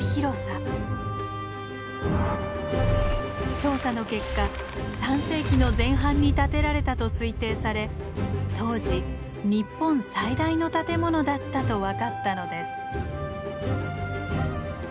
調査の結果３世紀の前半に建てられたと推定され当時日本最大の建物だったと分かったのです。